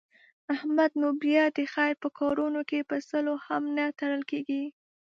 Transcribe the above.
احمد نو بیا د خیر په کارونو کې په سلو هم نه تړل کېږي.